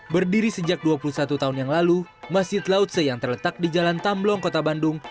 berdiri sejak dua puluh satu tahun yang lalu masjid lautse yang terletak di jalan tamblong kota bandung